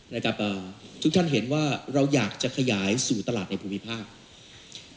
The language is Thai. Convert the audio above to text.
นะครับเอ่อทุกท่านเห็นว่าเราอยากจะขยายสู่ตลาดในภูมิภาค